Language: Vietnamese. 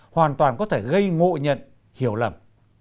hoàn toàn có thể gây ngộ nhận hiểu lầm